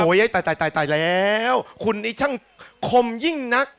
ยายตายตายแล้วคุณนี่ช่างคมยิ่งนัก